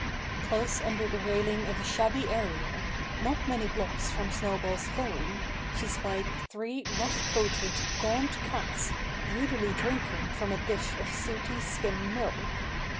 Close under the railing of a shabby area, not many blocks from Snowball's home, she spied three rough coated, gaunt cats greedily drinking from a dish of sooty skim milk.